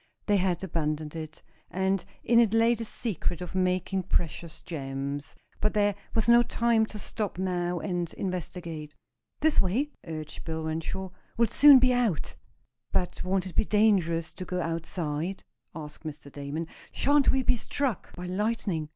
They had abandoned it, and in it lay the secret of making precious gems. But there was no time to stop now, and investigate. "This way," urged Bill Renshaw. "We'll soon be out." "But won't it be dangerous to go outside?" asked Mr. Damon. "Shan't we be struck by lightning?